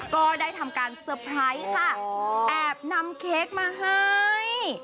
ก็ได้ทำการสะพายค่ะแอบนำเค้กมาให้